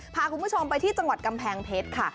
พาคุณผู้ชมไปที่จังหวัดกำแพงเพชรค่ะ